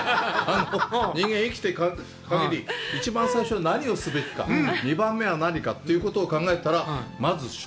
人間生きている限り一番最初に何をすべきか２番目は何かということを考えたらまず、食。